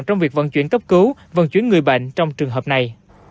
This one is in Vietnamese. trong việc vận chuyển cấp cứu vận chuyển người bệnh trong trường hợp này